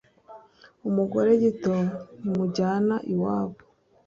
Umugore gito ntimujyana iwabo.